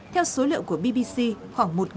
theo số liệu của bbc khoảng một người đã bị bệnh